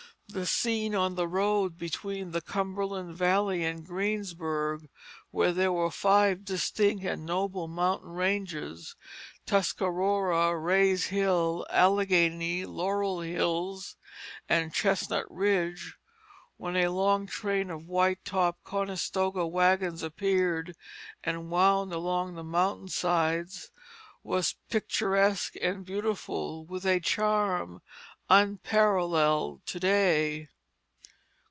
The scene on the road between the Cumberland valley and Greensburg, where there are five distinct and noble mountain ranges, Tuscarora, Rays Hill, Alleghany, Laurel Hills, and Chestnut Ridge, when a long train of white topped Conestoga wagons appeared and wound along the mountain sides, was picturesque and beautiful with a charm unparalleled to day.